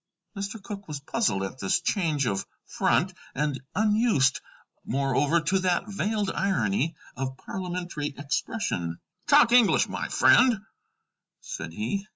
Mr. Cooke was puzzled at this change of front, and unused, moreover, to that veiled irony of parliamentary expression. "Talk English, my friend," said he.